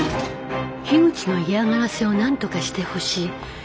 樋口の嫌がらせを何とかしてほしい。